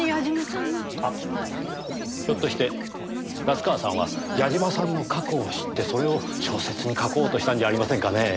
あっひょっとして夏河さんは矢嶋さんの過去を知ってそれを小説に書こうとしたんじゃありませんかねぇ？